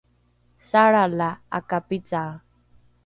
salra la ’akapicae